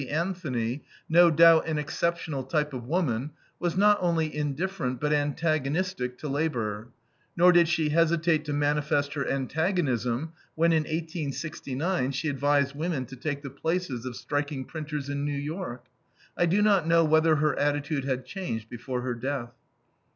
Anthony, no doubt an exceptional type of woman, was not only indifferent but antagonistic to labor; nor did she hesitate to manifest her antagonism when, in 1869, she advised women to take the places of striking printers in New York. I do not know whether her attitude had changed before her death.